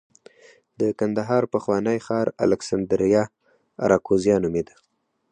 د کندهار پخوانی ښار الکسندریه اراکوزیا نومېده